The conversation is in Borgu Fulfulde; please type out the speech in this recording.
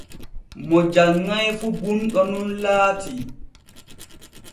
Mo janŋai fu bunɗo nun laati.